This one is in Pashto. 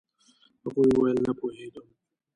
هغې وويل نه پوهيږم.